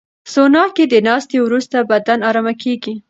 سونا کې د ناستې وروسته بدن ارامه کېږي.